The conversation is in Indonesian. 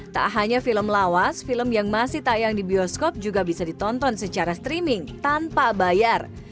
tak hanya film lawas film yang masih tayang di bioskop juga bisa ditonton secara streaming tanpa bayar